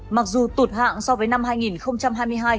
mặc dù tụt hạng so với năm hai nghìn hai mươi hai